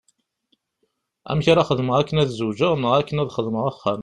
Amek ara xedmeɣ akken ad zewǧeɣ neɣ akken ad xedmeɣ axxam?